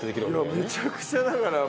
めちゃくちゃだからもう。